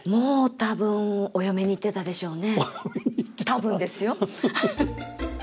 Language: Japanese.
多分ですよ。